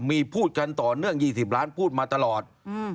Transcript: มีพูดกันต่อเรื่องยี่สิบล้านพูดมาตลอดอืม